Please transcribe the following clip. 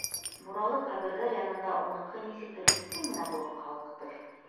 Буралы ҡәберҙәр янында уныҡы, нисектер, меҫкен генә булып ҡалҡты.